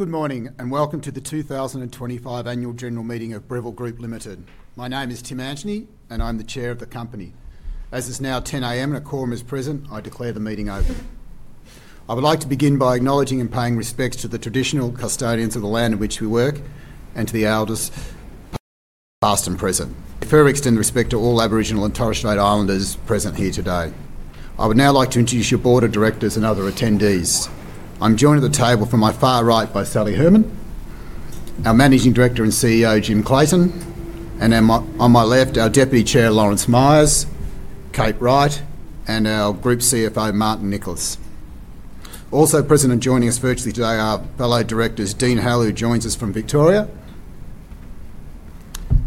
Good morning and welcome to the 2025 Annual General Meeting of Breville Group Limited. My name is Tim Antony, and I'm the Chair of the company. As it's now 10:00 A.M. and a quorum is present, I declare the meeting open. I would like to begin by acknowledging and paying respects to the traditional custodians of the land in which we work and to the elders, past and present, with further extended respect to all Aboriginal and Torres Strait Islanders present here today. I would now like to introduce your board of directors and other attendees. I'm joined at the table from my far right by Sally Herman, our Managing Director and CEO, Jim Clayton, and on my left, our Deputy Chair, Lawrence Myers, Kate Wright, and our Group CFO, Martin Nicholas. Also present and joining us virtually today are fellow directors, Dean Howell, who joins us from Victoria.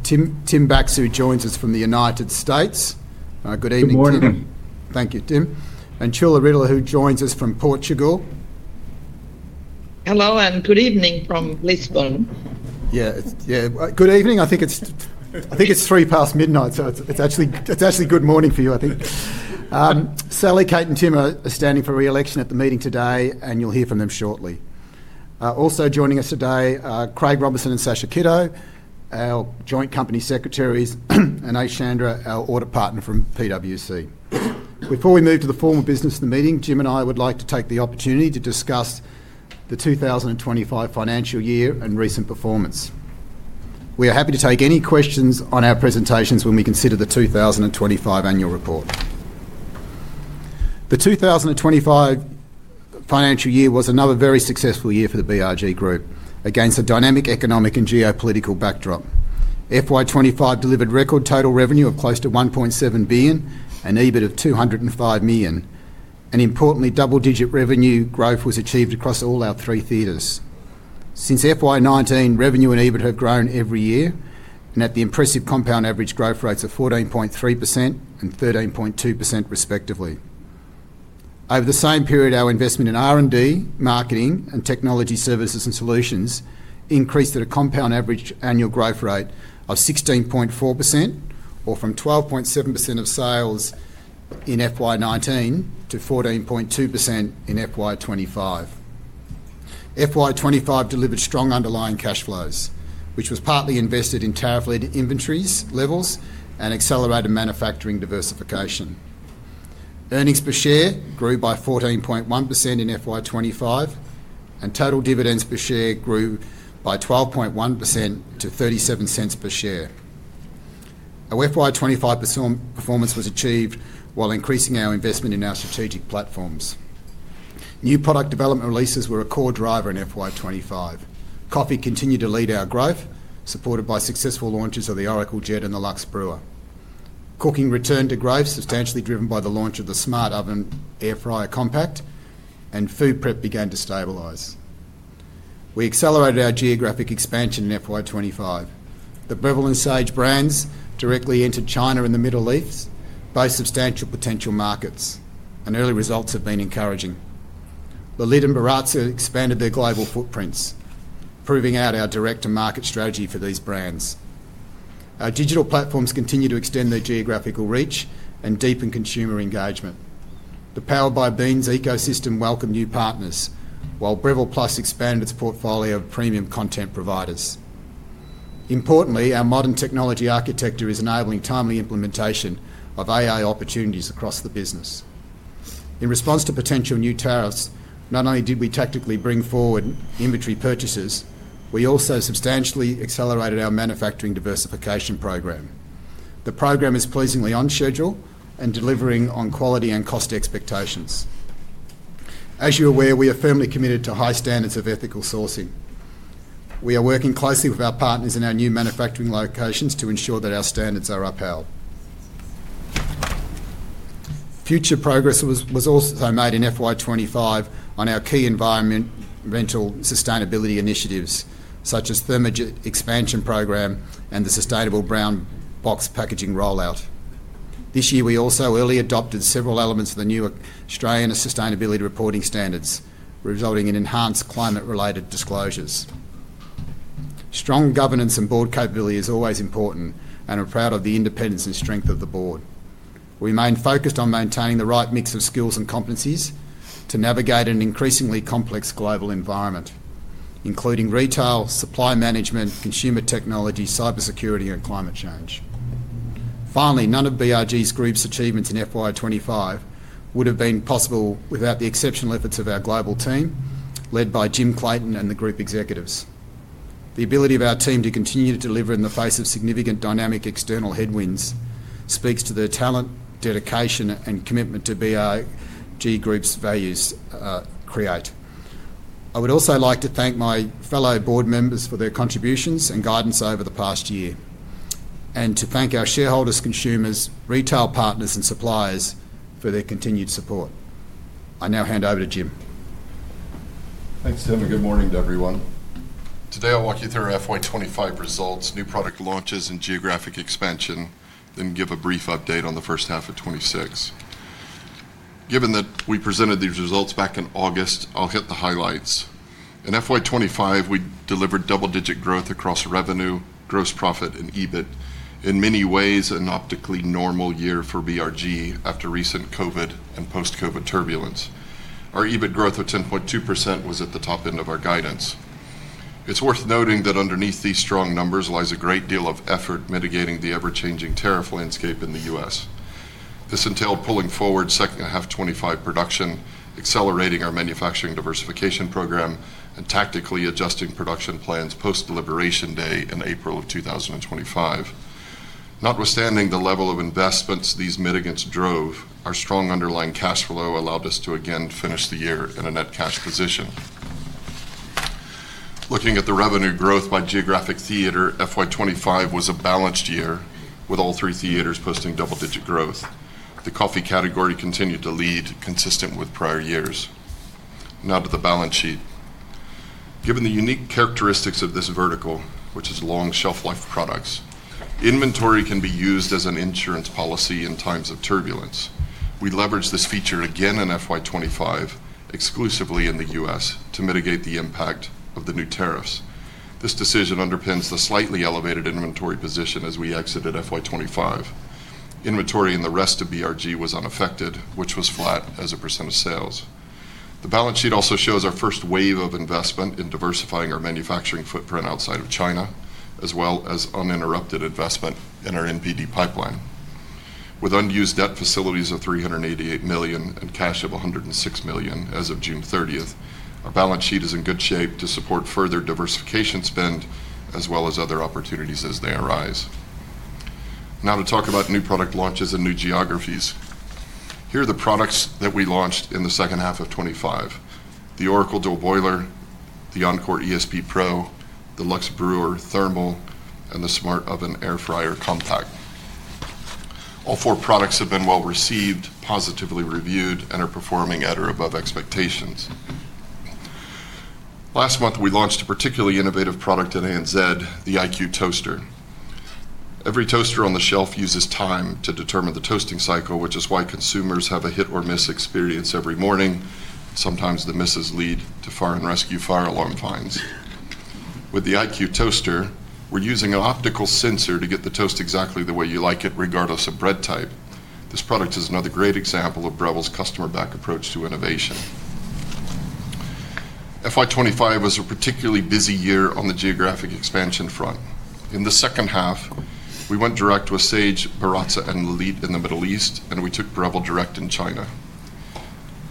Tim Baxter, who joins us from the United States. Good evening, Tim. Good morning. Thank you, Tim. Tuula Rytila, who joins us from Portugal. Hello and good evening from Lisbon. Yeah, yeah, good evening. I think it's three past midnight, so it's actually good morning for you, I think. Sally, Kate, and Tim are standing for re-election at the meeting today, and you'll hear from them shortly. Also joining us today, Craig Robinson and Sasha Kiddo, our Joint Company Secretaries, and Ashandra, our Audit Partner from PwC. Before we move to the formal business of the meeting, Jim and I would like to take the opportunity to discuss the 2025 financial year and recent performance. We are happy to take any questions on our presentations when we consider the 2025 Annual Report. The 2025 financial year was another very successful year for the BRG Group against a dynamic economic and geopolitical backdrop. FY 2025 delivered record total revenue of close to 1.7 billion and EBIT of 205 million. Importantly, double-digit revenue growth was achieved across all our three theatres. Since FY 2019, revenue and EBIT have grown every year and at the impressive compound average growth rates of 14.3% and 13.2%, respectively. Over the same period, our investment in R&D, marketing, and technology services and solutions increased at a compound average annual growth rate of 16.4%, or from 12.7% of sales in FY 2019 to 14.2% in FY 2025. FY 2025 delivered strong underlying cash flows, which was partly invested in tariff-led inventories levels and accelerated manufacturing diversification. Earnings per share grew by 14.1% in FY 2025, and total dividends per share grew by 12.1% to 0.37 per share. Our FY 2025 performance was achieved while increasing our investment in our strategic platforms. New product development releases were a core driver in FY 2025. Coffee continued to lead our growth, supported by successful launches of the Oracle Jet and the Luxe Brewer. Cooking returned to growth, substantially driven by the launch of the Smart Oven Air Fryer Compact, and food prep began to stabilize. We accelerated our geographic expansion in FY 2025. The Breville and Sage brands directly entered China and the Middle East, both substantial potential markets, and early results have been encouraging. Lelit and Baratza expanded their global footprints, proving out our direct-to-market strategy for these brands. Our digital platforms continue to extend their geographical reach and deepen consumer engagement. The Powered by Beans ecosystem welcomed new partners, while Breville+ expanded its portfolio of premium content providers. Importantly, our modern technology architecture is enabling timely implementation of AI opportunities across the business. In response to potential new tariffs, not only did we tactically bring forward inventory purchases, we also substantially accelerated our manufacturing diversification program. The program is pleasingly on schedule and delivering on quality and cost expectations. As you're aware, we are firmly committed to high standards of ethical sourcing. We are working closely with our partners in our new manufacturing locations to ensure that our standards are upheld. Further progress was also made in FY 2025 on our key environmental sustainability initiatives, such as the Thermajet expansion program and the sustainable brown box packaging rollout. This year, we also early adopted several elements of the new Australian Sustainability Reporting Standards, resulting in enhanced climate-related disclosures. Strong governance and board capability is always important, and we're proud of the independence and strength of the board. We remain focused on maintaining the right mix of skills and competencies to navigate an increasingly complex global environment, including retail, supply management, consumer technology, cybersecurity, and climate change. Finally, none of BRG's group's achievements in FY 2025 would have been possible without the exceptional efforts of our global team, led by Jim Clayton and the group executives. The ability of our team to continue to deliver in the face of significant dynamic external headwinds speaks to the talent, dedication, and commitment to BRG Group's values. I would also like to thank my fellow board members for their contributions and guidance over the past year, and to thank our shareholders, consumers, retail partners, and suppliers for their continued support. I now hand over to Jim. Thanks, Tim. Good morning to everyone. Today, I'll walk you through our FY 2025 results, new product launches, and geographic expansion, then give a brief update on the first half of 2026. Given that we presented these results back in August, I'll hit the highlights. In FY 2025, we delivered double-digit growth across revenue, gross profit, and EBIT in many ways an optically normal year for BRG after recent COVID and post-COVID turbulence. Our EBIT growth of 10.2% was at the top end of our guidance. It's worth noting that underneath these strong numbers lies a great deal of effort mitigating the ever-changing tariff landscape in the U.S. This entailed pulling forward second half 2025 production, accelerating our manufacturing diversification program, and tactically adjusting production plans post-liberation day in April of 2025. Notwithstanding the level of investments these mitigants drove, our strong underlying cash flow allowed us to again finish the year in a net cash position. Looking at the revenue growth by geographic theatre, FY 2025 was a balanced year with all three theatres posting double-digit growth. The coffee category continued to lead, consistent with prior years. Now to the balance sheet. Given the unique characteristics of this vertical, which is long shelf-life products, inventory can be used as an insurance policy in times of turbulence. We leveraged this feature again in FY 2025, exclusively in the U.S., to mitigate the impact of the new tariffs. This decision underpins the slightly elevated inventory position as we exited FY 2025. Inventory in the rest of BRG was unaffected, which was flat as a percent of sales. The balance sheet also shows our first wave of investment in diversifying our manufacturing footprint outside of China, as well as uninterrupted investment in our NPD pipeline. With unused debt facilities of 388 million and cash of 106 million as of June 30th, our balance sheet is in good shape to support further diversification spend as well as other opportunities as they arise. Now to talk about new product launches and new geographies. Here are the products that we launched in the second half of 2025: the Oracle Dual Boiler, the Encore ESP Pro, the Luxe Brewer Thermal, and the Smart Oven Air Fryer Compact. All four products have been well received, positively reviewed, and are performing at or above expectations. Last month, we launched a particularly innovative product at ANZ, the Eye Q Toaster. Every toaster on the shelf uses time to determine the toasting cycle, which is why consumers have a hit-or-miss experience every morning. Sometimes the misses lead to fire and rescue fire alarm fines. With the Eye Q Toaster, we're using an optical sensor to get the toast exactly the way you like it, regardless of bread type. This product is another great example of Breville's customer-backed approach to innovation. FY 2025 was a particularly busy year on the geographic expansion front. In the second half, we went direct with Sage, Baratza, and Lelit in the Middle East, and we took Breville direct in China.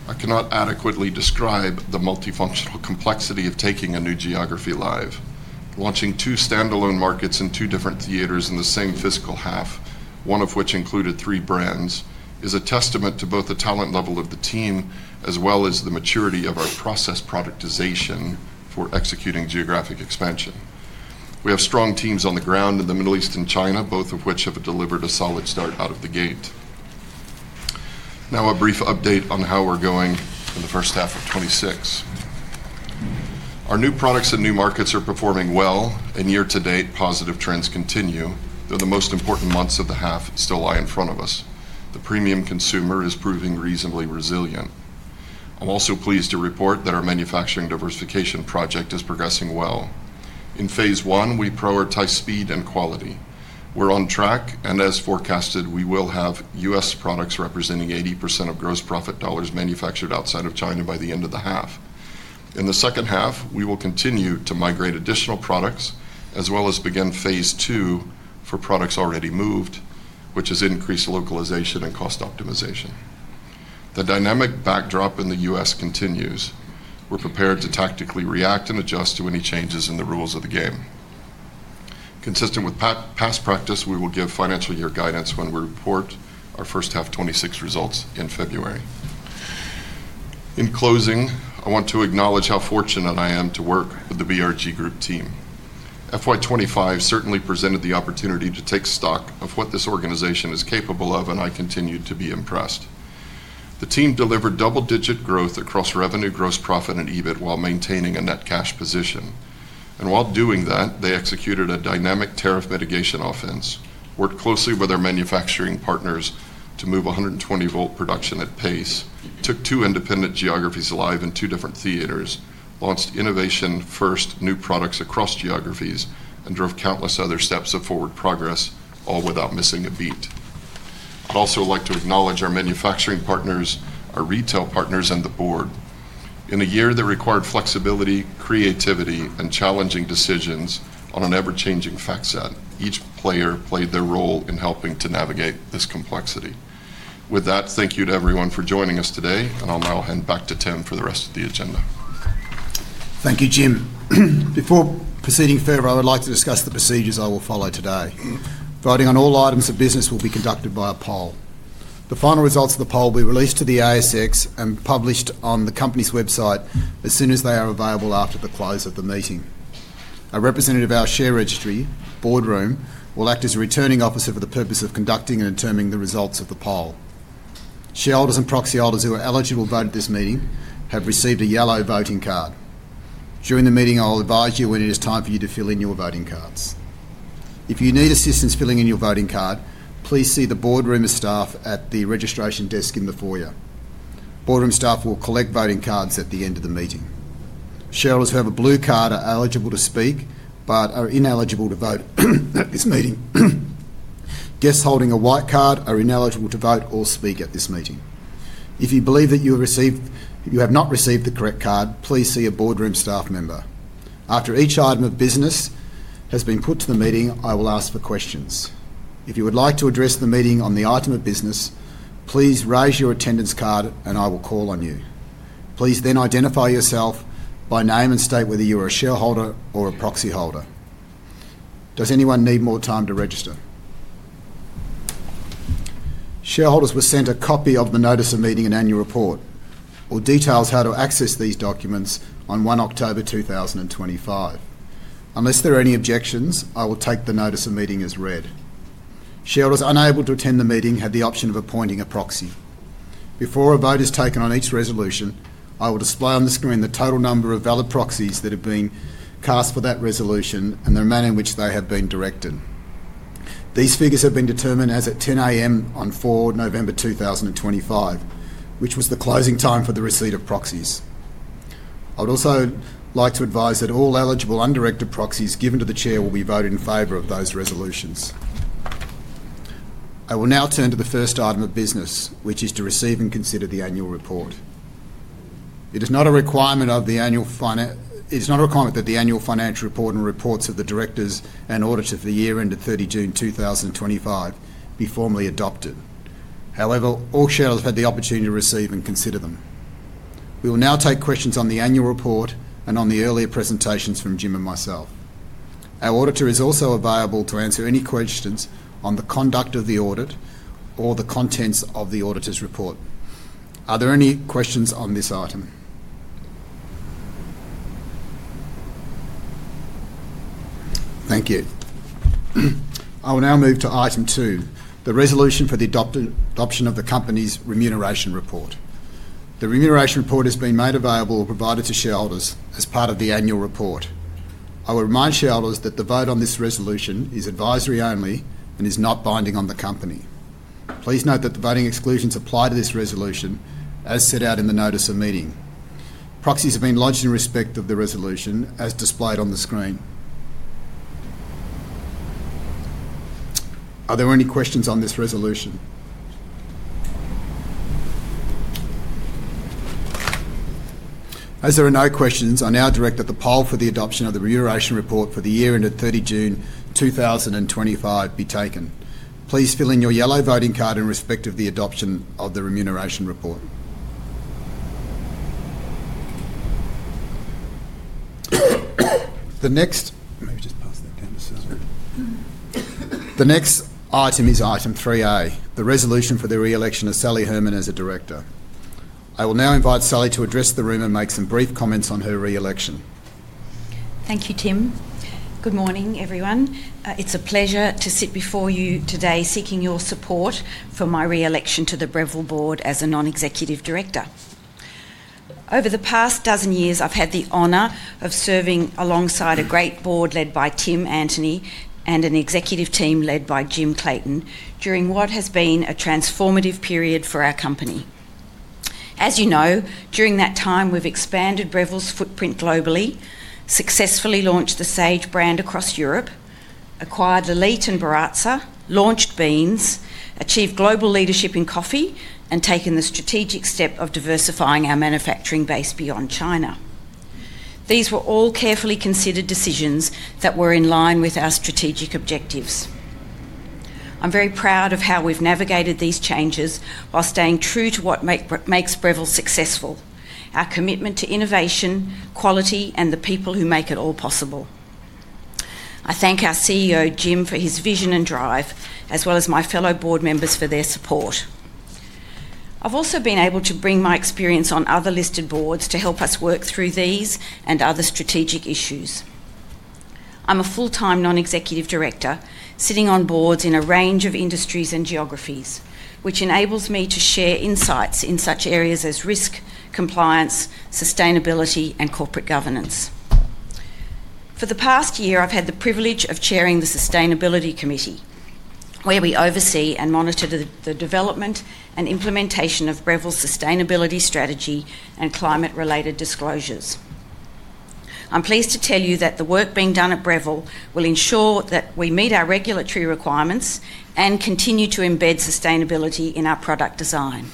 I cannot adequately describe the multifunctional complexity of taking a new geography live. Launching two standalone markets in two different theatres in the same fiscal half, one of which included three brands, is a testament to both the talent level of the team as well as the maturity of our process productization for executing geographic expansion. We have strong teams on the ground in the Middle East and China, both of which have delivered a solid start out of the gate. Now a brief update on how we're going in the first half of 2026. Our new products and new markets are performing well. Year-to-date, positive trends continue, though the most important months of the half still lie in front of us. The premium consumer is proving reasonably resilient. I'm also pleased to report that our manufacturing diversification project is progressing well. In phase one, we prioritize speed and quality. We're on track, and as forecasted, we will have U.S. products representing 80% of gross profit dollars manufactured outside of China by the end of the half. In the second half, we will continue to migrate additional products as well as begin phase II for products already moved, which is increased localization and cost optimization. The dynamic backdrop in the U.S. continues. We're prepared to tactically react and adjust to any changes in the rules of the game. Consistent with past practice, we will give financial year guidance when we report our first half 2026 results in February. In closing, I want to acknowledge how fortunate I am to work with the BRG Group team. FY 2025 certainly presented the opportunity to take stock of what this organization is capable of, and I continue to be impressed. The team delivered double-digit growth across revenue, gross profit, and EBIT while maintaining a net cash position. While doing that, they executed a dynamic tariff mitigation offense, worked closely with our manufacturing partners to move 120-volt production at pace, took two independent geographies alive in two different theatres, launched innovation-first new products across geographies, and drove countless other steps of forward progress, all without missing a beat. I'd also like to acknowledge our manufacturing partners, our retail partners, and the board. In a year that required flexibility, creativity, and challenging decisions on an ever-changing fact set, each player played their role in helping to navigate this complexity. With that, thank you to everyone for joining us today, and I'll now hand back to Tim for the rest of the agenda. Thank you, Jim. Before proceeding further, I would like to discuss the procedures I will follow today. Voting on all items of business will be conducted by a poll. The final results of the poll will be released to the ASX and published on the company's website as soon as they are available after the close of the meeting. A representative of our share registry, Boardroom, will act as a returning officer for the purpose of conducting and determining the results of the poll. Shareholders and proxy holders who are eligible to vote at this meeting have received a yellow voting card. During the meeting, I'll advise you when it is time for you to fill in your voting cards. If you need assistance filling in your voting card, please see the Boardroom staff at the registration desk in the foyer. Boardroom staff will collect voting cards at the end of the meeting. Shareholders who have a blue card are eligible to speak but are ineligible to vote at this meeting. Guests holding a white card are ineligible to vote or speak at this meeting. If you believe that you have not received the correct card, please see a Boardroom staff member. After each item of business has been put to the meeting, I will ask for questions. If you would like to address the meeting on the item of business, please raise your attendance card, and I will call on you. Please then identify yourself by name and state whether you are a shareholder or a proxy holder. Does anyone need more time to register? Shareholders were sent a copy of the notice of meeting and annual report, or details how to access these documents on 1 October 2025. Unless there are any objections, I will take the notice of meeting as read. Shareholders unable to attend the meeting have the option of appointing a proxy. Before a vote is taken on each resolution, I will display on the screen the total number of valid proxies that have been cast for that resolution and the manner in which they have been directed. These figures have been determined as at 10:00 A.M. on 4 November 2025, which was the closing time for the receipt of proxies. I would also like to advise that all eligible undirected proxies given to the chair will be voted in favor of those resolutions. I will now turn to the first item of business, which is to receive and consider the annual report. It is not a requirement that the annual financial report and reports of the directors and auditor for the year ended 30 June 2025 be formally adopted. However, all shareholders have had the opportunity to receive and consider them. We will now take questions on the annual report and on the earlier presentations from Jim and myself. Our auditor is also available to answer any questions on the conduct of the audit or the contents of the auditor's report. Are there any questions on this item? Thank you. I will now move to item two, the resolution for the adoption of the company's remuneration report. The remuneration report has been made available or provided to shareholders as part of the annual report. I will remind shareholders that the vote on this resolution is advisory only and is not binding on the company. Please note that the voting exclusions apply to this resolution as set out in the notice of meeting. Proxies have been lodged in respect of the resolution as displayed on the screen. Are there any questions on this resolution? As there are no questions, I now direct that the poll for the adoption of the remuneration report for the year ended 30 June 2025 be taken. Please fill in your yellow voting card in respect of the adoption of the remuneration report. Let me just pass that down to Susan. The next item is item 3A, the resolution for the reelection of Sally Herman as a director. I will now invite Sally to address the room and make some brief comments on her reelection. Thank you, Tim. Good morning, everyone. It's a pleasure to sit before you today seeking your support for my reelection to the Breville Board as a non-executive director. Over the past dozen years, I've had the honor of serving alongside a great board led by Tim Antony and an executive team led by Jim Clayton during what has been a transformative period for our company. As you know, during that time, we've expanded Breville's footprint globally, successfully launched the Sage brand across Europe, acquired Lelit and Baratza, launched beans, achieved global leadership in coffee, and taken the strategic step of diversifying our manufacturing base beyond China. These were all carefully considered decisions that were in line with our strategic objectives. I'm very proud of how we've navigated these changes while staying true to what makes Breville successful: our commitment to innovation, quality, and the people who make it all possible. I thank our CEO, Jim, for his vision and drive, as well as my fellow board members for their support. I've also been able to bring my experience on other listed boards to help us work through these and other strategic issues. I'm a full-time non-executive director sitting on boards in a range of industries and geographies, which enables me to share insights in such areas as risk, compliance, sustainability, and corporate governance. For the past year, I've had the privilege of chairing the Sustainability Committee, where we oversee and monitor the development and implementation of Breville's sustainability strategy and climate-related disclosures. I'm pleased to tell you that the work being done at Breville will ensure that we meet our regulatory requirements and continue to embed sustainability in our product design.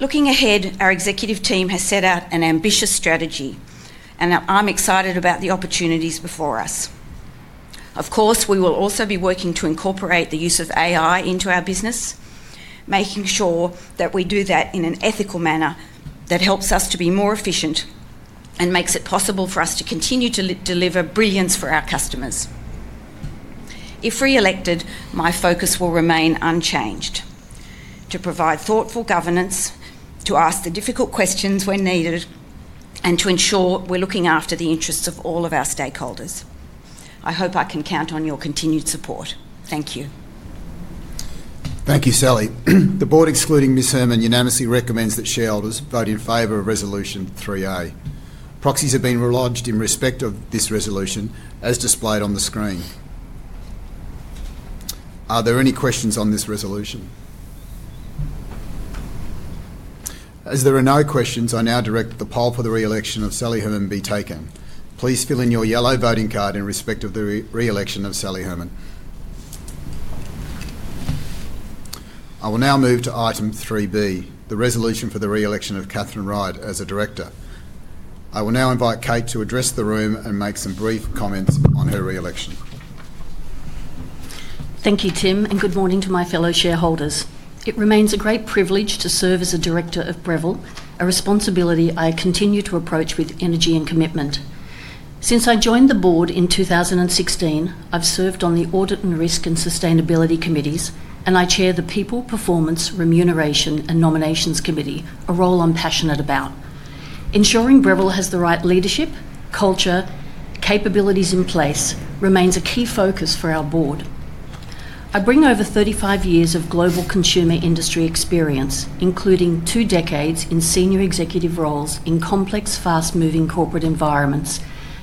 Looking ahead, our executive team has set out an ambitious strategy, and I'm excited about the opportunities before us. Of course, we will also be working to incorporate the use of AI into our business. Making sure that we do that in an ethical manner that helps us to be more efficient and makes it possible for us to continue to deliver brilliance for our customers. If reelected, my focus will remain unchanged: to provide thoughtful governance, to ask the difficult questions when needed, and to ensure we're looking after the interests of all of our stakeholders. I hope I can count on your continued support. Thank you. Thank you, Sally. The board, excluding Ms. Herman, unanimously recommends that shareholders vote in favor of resolution 3A. Proxies have been lodged in respect of this resolution, as displayed on the screen. Are there any questions on this resolution? As there are no questions, I now direct that the poll for the reelection of Sally Herman be taken. Please fill in your yellow voting card in respect of the reelection of Sally Herman. I will now move to item 3B, the resolution for the reelection of Catherine Wright as a director. I will now invite Kate to address the room and make some brief comments on her reelection. Thank you, Tim, and good morning to my fellow shareholders. It remains a great privilege to serve as a director of Breville, a responsibility I continue to approach with energy and commitment. Since I joined the board in 2016, I've served on the audit and risk and sustainability committees, and I chair the People, Performance, Remuneration, and Nominations Committee, a role I'm passionate about. Ensuring Breville has the right leadership, culture, and capabilities in place remains a key focus for our board. I bring over 35 years of global consumer industry experience, including two decades in senior executive roles in complex, fast-moving corporate environments,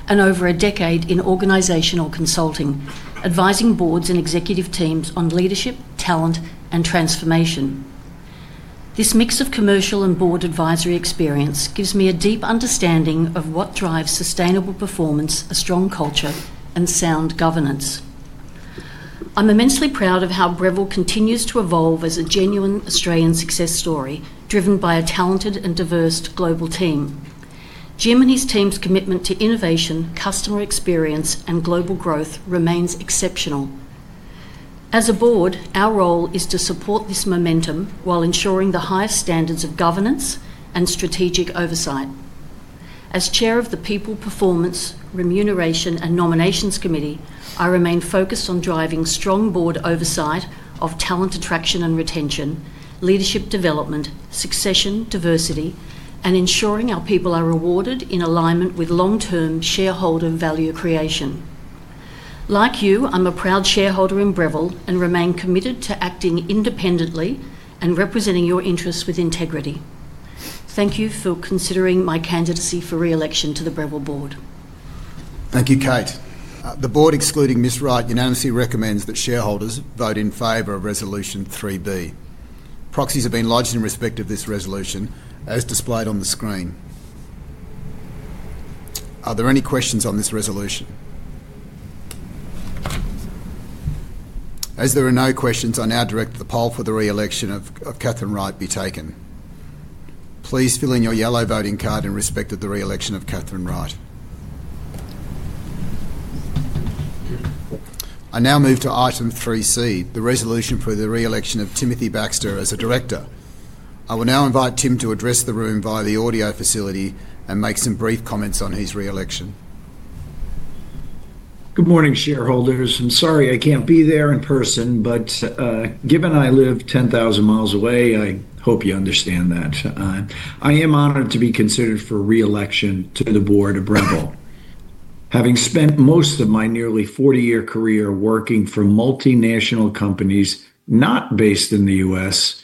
and over a decade in organizational consulting, advising boards and executive teams on leadership, talent, and transformation. This mix of commercial and board advisory experience gives me a deep understanding of what drives sustainable performance, a strong culture, and sound governance. I'm immensely proud of how Breville continues to evolve as a genuine Australian success story driven by a talented and diverse global team. Jim and his team's commitment to innovation, customer experience, and global growth remains exceptional. As a board, our role is to support this momentum while ensuring the highest standards of governance and strategic oversight. As Chair of the People, Performance, Remuneration, and Nominations Committee, I remain focused on driving strong board oversight of talent attraction and retention, leadership development, succession, diversity, and ensuring our people are rewarded in alignment with long-term shareholder value creation. Like you, I'm a proud shareholder in Breville and remain committed to acting independently and representing your interests with integrity. Thank you for considering my candidacy for reelection to the Breville Board. Thank you, Kate. The board, excluding Ms. Wright, unanimously recommends that shareholders vote in favor of resolution 3B. Proxies have been lodged in respect of this resolution, as displayed on the screen. Are there any questions on this resolution? As there are no questions, I now direct the poll for the reelection of Catherine Wright be taken. Please fill in your yellow voting card in respect of the reelection of Catherine Wright. I now move to item 3C, the resolution for the reelection of Timothy Baxter as a director. I will now invite Tim to address the room via the audio facility and make some brief comments on his reelection. Good morning, shareholders. I'm sorry I can't be there in person, but given I live 10,000 mi away, I hope you understand that. I am honored to be considered for reelection to the board of Breville. Having spent most of my nearly 40-year career working for multinational companies not based in the U.S.,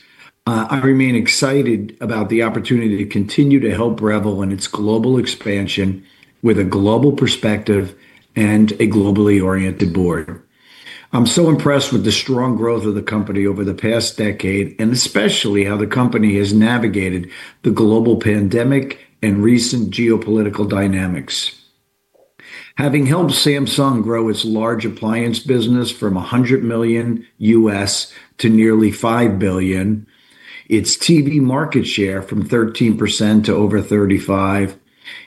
I remain excited about the opportunity to continue to help Breville and its global expansion with a global perspective and a globally oriented board. I'm so impressed with the strong growth of the company over the past decade and especially how the company has navigated the global pandemic and recent geopolitical dynamics. Having helped Samsung grow its large appliance business from $100 million US to nearly $5 billion, its TV market share from 13% to over 35%,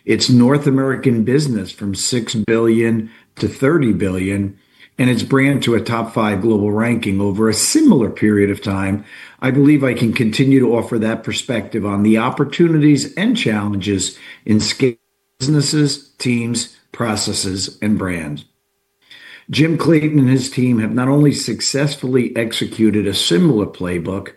its North American business from $6 billion-$30 billion, and its brand to a top five global ranking over a similar period of time, I believe I can continue to offer that perspective on the opportunities and challenges in scaling businesses, teams, processes, and brands. Jim Clayton and his team have not only successfully executed a similar playbook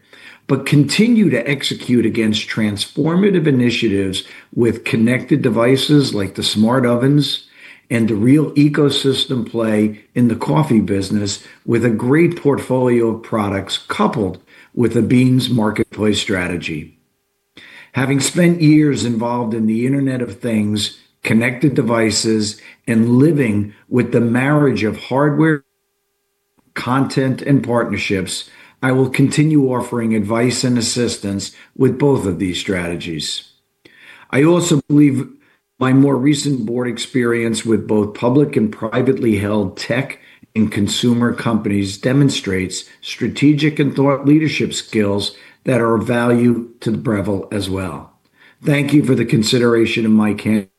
but continue to execute against transformative initiatives with connected devices like the smart ovens and the real ecosystem play in the coffee business with a great portfolio of products coupled with a beans marketplace strategy. Having spent years involved in the Internet of Things, connected devices, and living with the marriage of hardware, content, and partnerships, I will continue offering advice and assistance with both of these strategies. I also believe my more recent board experience with both public and privately held tech and consumer companies demonstrates strategic and thought leadership skills that are of value to Breville as well. Thank you for the consideration of my candidacy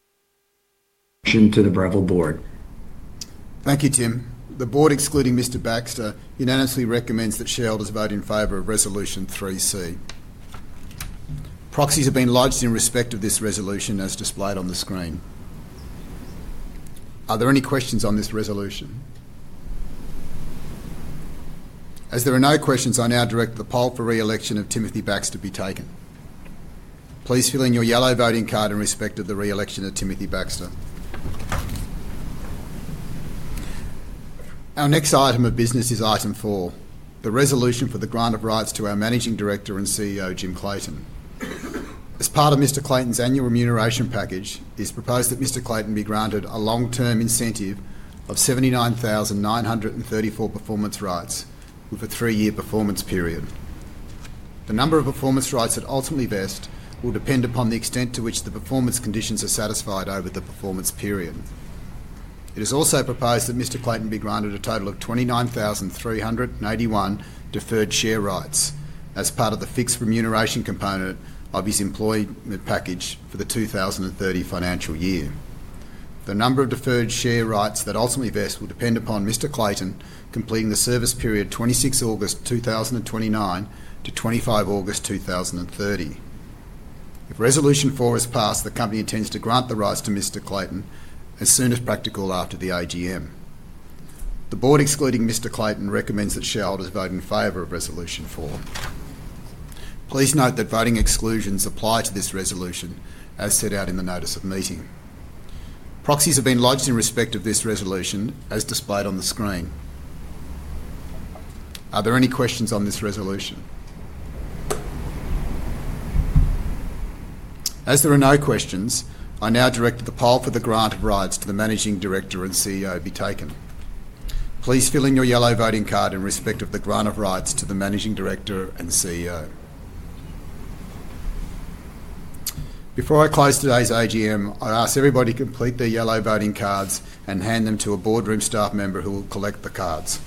to the Breville Board. Thank you, Tim. The board, excluding Mr. Baxter, unanimously recommends that shareholders vote in favor of resolution 3C. Proxies have been lodged in respect of this resolution, as displayed on the screen. Are there any questions on this resolution? As there are no questions, I now direct the poll for reelection of Timothy Baxter be taken. Please fill in your yellow voting card in respect of the reelection of Timothy Baxter. Our next item of business is item four, the resolution for the grant of rights to our Managing Director and CEO, Jim Clayton. As part of Mr. Clayton's annual remuneration package, it is proposed that Mr. Clayton be granted a long-term incentive of 79,934 performance rights with a three-year performance period. The number of performance rights that ultimately vest will depend upon the extent to which the performance conditions are satisfied over the performance period. It is also proposed that Mr. Clayton be granted a total of 29,381 deferred share rights as part of the fixed remuneration component of his employment package for the 2030 financial year. The number of deferred share rights that ultimately vest will depend upon Mr. Clayton completing the service period 26 August 2029-25 August 2030. If resolution four is passed, the company intends to grant the rights to Mr. Clayton as soon as practical after the AGM. The board, excluding Mr. Clayton, recommends that shareholders vote in favor of resolution four. Please note that voting exclusions apply to this resolution, as set out in the notice of meeting. Proxies have been lodged in respect of this resolution, as displayed on the screen. Are there any questions on this resolution? As there are no questions, I now direct the poll for the grant of rights to the Managing Director and CEO be taken. Please fill in your yellow voting card in respect of the grant of rights to the Managing Director and CEO. Before I close today's AGM, I ask everybody to complete their yellow voting cards and hand them to a Boardroom staff member who will collect the cards.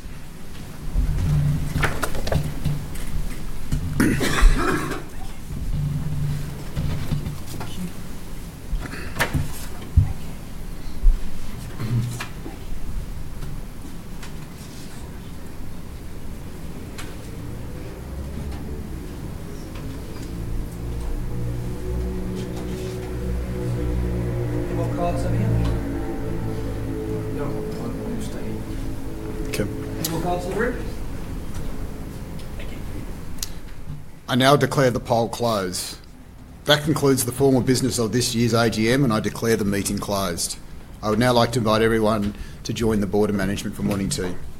Any more cards on here? No. One staying. Okay. Any more cards in the room? Thank you. I now declare the poll closed. That concludes the formal business of this year's AGM, and I declare the meeting closed. I would now like to invite everyone to join the board of management for morning tea. Thank you.